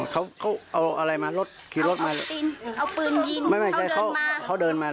อ๋อเขาเขาเอาอะไรมารถรถมาเอาปืนยิงไม่ไม่ใช่เขาเขาเดินมาเหรอ